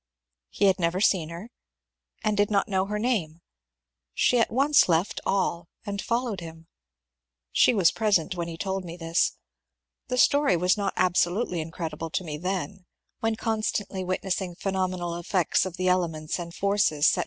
He had never seen her, and did not know her name She at once left all and followed him. She was present when he told me this. The story was not absolutely incredible to me then, when con stantly witnessing phenomenal effects of the elements and discourses, always printed by the society.